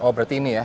oh berarti ini ya